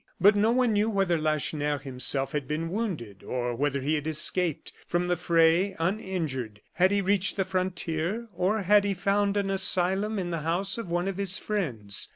But no one knew whether Lacheneur himself had been wounded, or whether he had escaped from the fray uninjured. Had he reached the frontier? or had he found an asylum in the house of one of his friends?